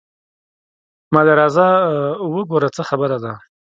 مالې راځه وګوره څه خبره ده.